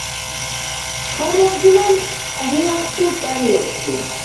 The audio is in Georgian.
ცხოვრობდნენ ტრიასულ პერიოდში.